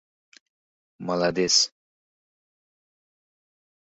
— Malades! —